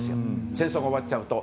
戦争が終わっちゃうと。